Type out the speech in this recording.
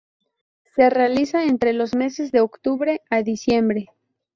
Se realiza entre los meses de octubre a diciembre.